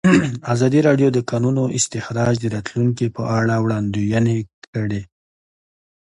ازادي راډیو د د کانونو استخراج د راتلونکې په اړه وړاندوینې کړې.